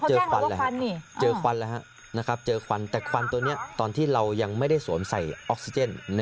ควันเจอควันแล้วเจอควันแต่ควันตัวนี้ตอนที่เรายังไม่ได้สวมใส่ออกซิเจน